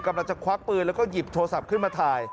ควักปืนแล้วก็หยิบโทรศัพท์ขึ้นมาถ่าย